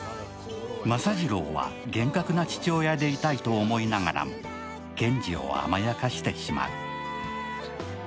政次郎は厳格な父親でいたいと思いながらも賢治を甘やかしてしまう。